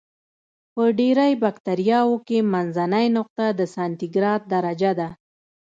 په ډېری بکټریاوو کې منځنۍ نقطه د سانتي ګراد درجه ده.